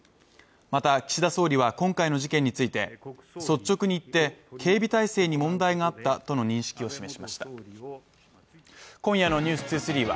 また岸田総理は今回の事件について率直に言って警備態勢に問題があったとの認識を示しました今夜の「ｎｅｗｓ２３」は